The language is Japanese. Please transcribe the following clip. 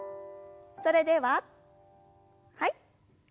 それでははい。